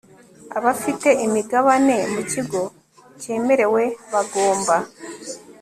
Abafite imigabane mu kigo cyemerewe bagomba